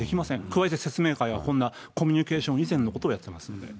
加えて説明会は、こんなコミュニケーション以前のことをやってますので。